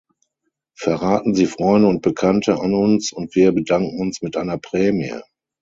Verraten Sie Freunde und Bekannte an uns und wir bedanken uns mit einer Prämie!